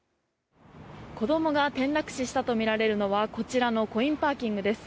子供が転落死したとみられるのはこちらのコインパーキングです。